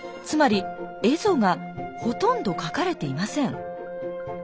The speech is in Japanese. つまり蝦夷がほとんど描かれていません。